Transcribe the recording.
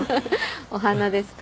お花ですか？